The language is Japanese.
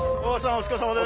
お疲れさまです。